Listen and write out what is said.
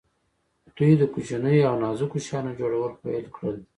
دوی د کوچنیو او نازکو شیانو جوړول پیل کړل.